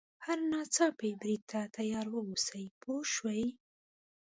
هر ناڅاپي برید ته تیار واوسي پوه شوې!.